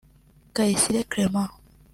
Kayisire Clément